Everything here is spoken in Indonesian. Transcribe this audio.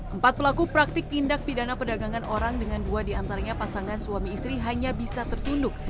empat pelaku praktik tindak pidana perdagangan orang dengan dua diantaranya pasangan suami istri hanya bisa tertunduk